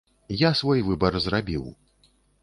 Я свой выбар зрабіў.